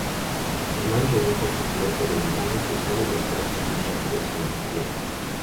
Inman redujo su flota, de modo que sólo los barcos más rápidos se mantuvieron.